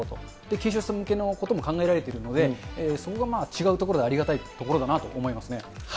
軽症者向けのことも考えられているので、そこがまあ違うところがありがたいなと思いますね。